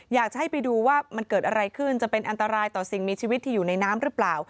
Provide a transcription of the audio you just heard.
อยากจะให้ไปดูว่ามันเกิดอะไรขึ้นจะเป็นอันตรายต่อสิ่งมีชีวิตที่อยู่ในน้ำหรือเปล่า